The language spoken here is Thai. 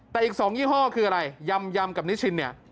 แต่อีก๒ยี่ห้อคืออะไรยำกับนิชินเนี่ย